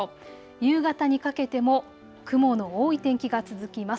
夕方にかけても雲の多い天気が続きます。